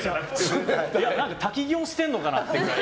滝行してるのかなってくらい。